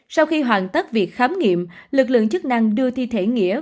sau khi hoàn tất việc khám nghiệm lực lượng chức năng đưa thi thể nghĩa